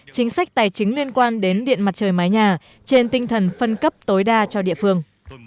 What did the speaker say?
chính sách tài chính liên quan đến điện mặt trời mái nhà trên tinh thần phân cấp tối đa cho địa phương